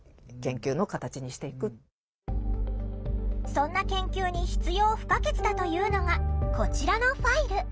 そんな研究に必要不可欠だというのがこちらのファイル。